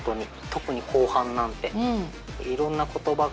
特に後半なんて。